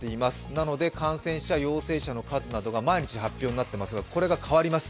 なので感染者・陽性者の数などが毎日発表になっていますが、これが変わります。